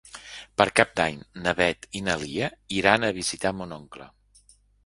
Per Cap d'Any na Beth i na Lia iran a visitar mon oncle.